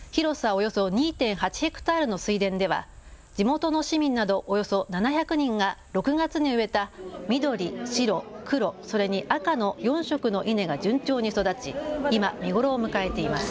およそ２．８ヘクタールの水田では地元の市民などおよそ７００人が６月に植えた緑、白、黒、それに赤の４色の稲が順調に育ち今見頃を迎えています。